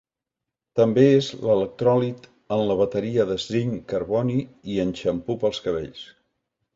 També és l'electròlit en la bateria de zinc-carboni i en xampú pels cabells.